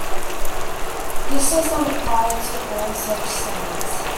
This does not apply to all such studies.